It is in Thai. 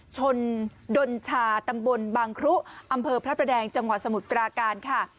ชนดนชาตำบลบางครุอำเภอพระประแดงจังหวัดสมุทรปราการค่ะ